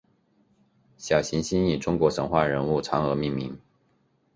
小行星以中国神话人物嫦娥命名。